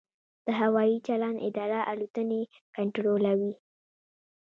د هوايي چلند اداره الوتنې کنټرولوي